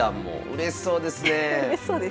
うれしそうですね。